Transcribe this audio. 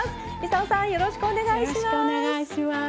操さんよろしくお願いします。